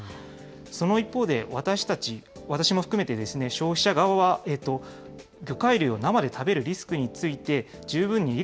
その一方で、私たち、私も含めてですね、消費者側は魚介類を生で食べるリスクについて、十分に理